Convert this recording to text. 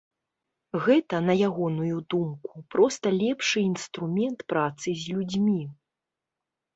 Гэта, на ягоную думку, проста лепшы інструмент працы з людзьмі.